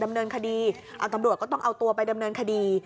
ดำเนินคดีเอาตำรวจก็ต้องเอาตัวไปดำเนินคดี